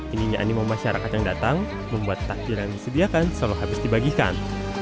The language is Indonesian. ininya animo masyarakat yang datang membuat takdir yang disediakan selalu habis dibagikan